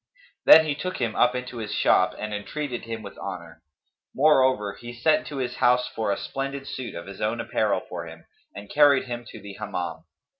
Then he took him up into his shop and entreated him with honour; moreover, he sent to his house for a splendid suit of his own apparel for him and carried him to the Hammam.